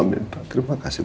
yang ingin te latter power